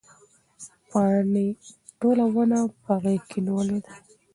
پاڼې ټوله ونه په غېږ کې نیولې ده.